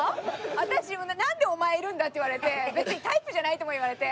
私なんでお前いるんだって言われて別にタイプじゃないとも言われて。